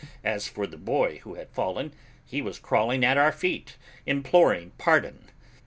As for the boy who had fallen, he was crawling at our feet, imploring pardon.